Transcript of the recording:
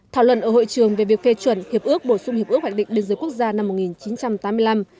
thảo luận ở hội trường về việc phê chuẩn hiệp ước bổ sung hiệp ước hoạch định biên giới quốc gia năm một nghìn chín trăm tám mươi năm